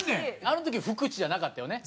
あの時「ふくち」じゃなかったよね。